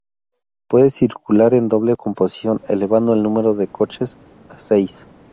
Puede circular en doble composición elevando el número de coches a seis.